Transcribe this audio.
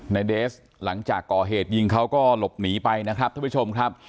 ในเดสหลังจากก่อเหตุยิงเขาก็หลบหนีไปนะครับท่านผู้ชมครับ